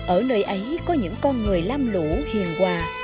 ở nơi ấy có những con người lam lũ hiền hòa